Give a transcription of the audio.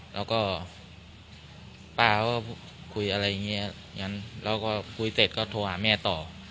แล้วก็ป้าเขาก็คุยอะไรอย่างนี้งั้นแล้วก็คุยเสร็จก็โทรหาแม่ต่อ